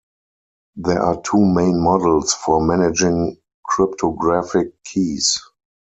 There are two main models for managing cryptographic keys.